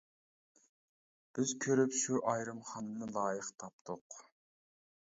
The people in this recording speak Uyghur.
بىز كۆرۈپ شۇ ئايرىمخانىنى لايىق تاپتۇق.